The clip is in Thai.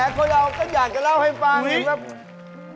แอ้คนเราก็อยากจะเล่าให้ฟัง